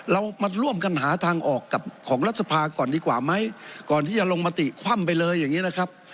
เรามาร่วมกันหาทางออกกับของรัฐสภาก่อนดีกว่าไหมก่อนที่จะลงมติคว่ำไปเลยอย่างนี้นะครับ